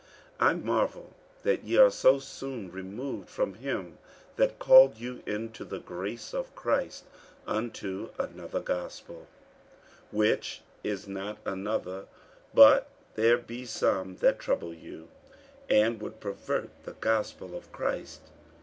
48:001:006 I marvel that ye are so soon removed from him that called you into the grace of Christ unto another gospel: 48:001:007 Which is not another; but there be some that trouble you, and would pervert the gospel of Christ.